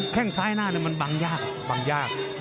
แค่งซ้ายหน้าเนี่ยมันบางยาก